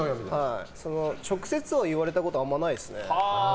直接は言われたことあまりないですね。